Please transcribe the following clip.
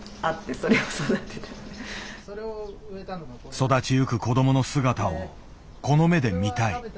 育ちゆく子どもの姿をこの目で見たい。